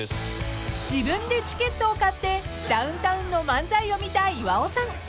［自分でチケットを買ってダウンタウンの漫才を見た岩尾さん］